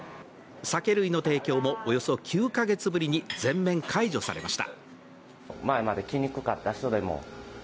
酒類の提供もおよそ９カ月ぶりに全面解除されました。